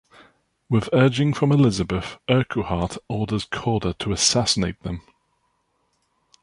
With urging from Elizabeth, Urquhart orders Corder to assassinate them.